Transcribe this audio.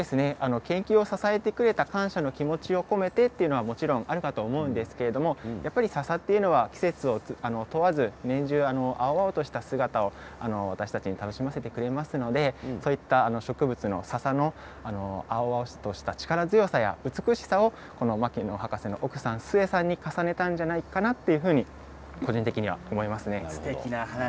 研究を支えてくれた感謝の気持ちを込めたというのはもちろんあるんですがささというのは季節を問わず年中、青々とした姿を私たちに楽しませてくれますのでそういった植物のささの青々とした力強さ美しさを牧野博士の奥さん、壽衛さんに重ねたんじゃないかなと個人的に思います。